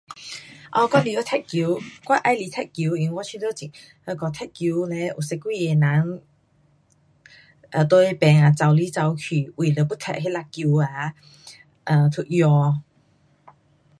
um 我会晓踢球，我喜欢踢球因为我觉得很那个踢球嘞有十多个人啊在那边啊跑来跑去，为了要踢那粒球啊，啊，to 赢。